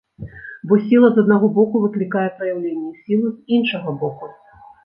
Бо сіла з аднаго боку выклікае праяўленне сілы з іншага боку.